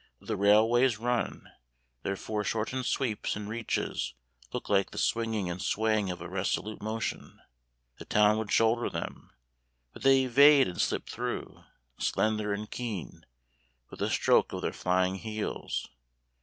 The railways run; their foreshortened sweeps and reaches look like the swinging and swaying of resolute motion. The town would shoulder them, but they evade and slip through, slender and keen, with a stroke of their flying heels.